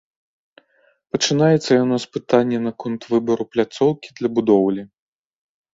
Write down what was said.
Пачынаецца яно з пытання наконт выбару пляцоўкі для будоўлі.